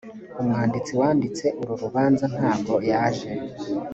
umwanditsi wanditse uru rubanza ntago yaje